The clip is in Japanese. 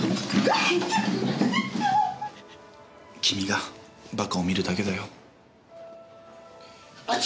君がバカを見るだけだよ。